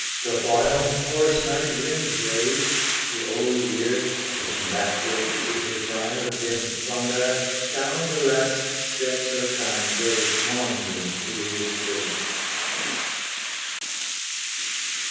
The while hoarse night winds rave, The old year looking backward to his prime With dim fond eyes, down the last steps of time Goes maundering to his grave!